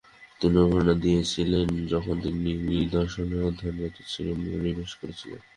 তিনি অনুপ্রেরণা নিয়েছিলেন যখন তিনি দর্শনের অধ্যয়নের দিকে মনোনিবেশ করেছিলেন।